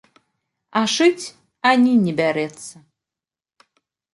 А шыць ані не бярэцца.